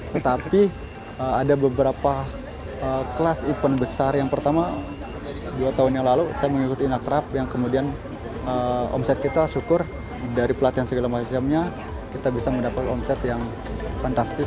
tetapi ada beberapa kelas event besar yang pertama dua tahun yang lalu saya mengikuti inacrap yang kemudian omset kita syukur dari pelatihan segala macamnya kita bisa mendapat omset yang fantastis